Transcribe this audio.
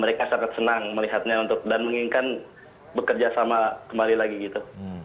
mereka sangat senang melihatnya dan menginginkan bekerja sama kembali lagi gitu